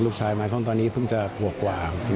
ลูกชายมาตอนนี้เพิ่งจะห่วงกว่า